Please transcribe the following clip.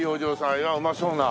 いやうまそうな。